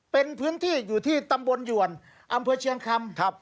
เป็นพื้นที่อยู่ที่ตำบลหยวนอำเภอเชียงคำ